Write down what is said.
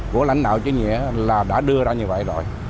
của lãnh đạo chính nghĩa là đã đưa ra như vậy rồi